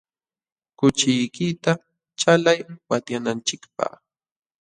Kuchiykita chalay watyananchikpaq.